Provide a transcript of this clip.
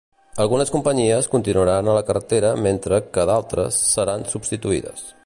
Algunes companyies continuaran a la cartera mentre que d'altres seran substituïdes.